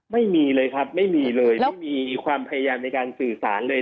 ไม่มีเลยครับไม่มีเลยไม่มีความพยายามในการสื่อสารเลย